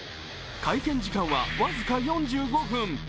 会見時間は、僅か４５分。